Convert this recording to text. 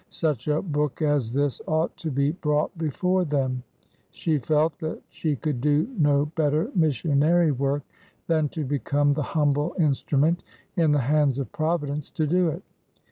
Such a book as this ought to be brought before them ! She felt that she could do no better missionary work than to become the humble instru ment in the hands of Providence to do it.